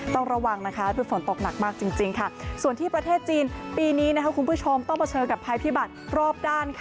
ต้องระวังนะคะคือฝนตกหนักมากจริงค่ะส่วนที่ประเทศจีนปีนี้คุณผู้ชมต้องเผชิญกับภัยพิบัตรรอบด้าน